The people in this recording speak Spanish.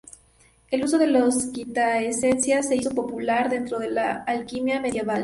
El uso de la quintaesencia se hizo popular dentro de la alquimia medieval.